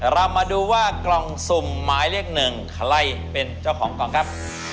เรามาดูว่ากล่องสุ่มหมายเลขหนึ่งใครเป็นเจ้าของกล่องครับ